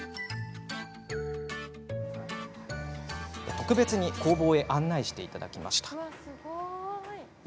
特別に工房へ案内してもらいました。